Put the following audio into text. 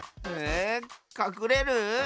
えかくれる？